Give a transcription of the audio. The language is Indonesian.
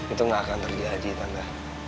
itu gak akan terjadi tante